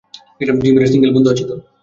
জিমের সিঙ্গেল বন্ধু আছে তো?